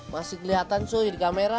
masih kelihatan sui di kamera